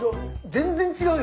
全然違う。